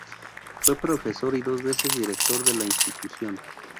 Fue profesor y dos veces director de la institución.